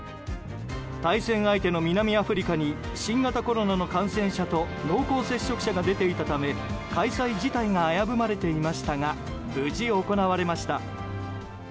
対戦相手の南アフリカに新型コロナの感染者と濃厚接触者が出ていたため開催自体が危ぶまれていましたが無事、行われました。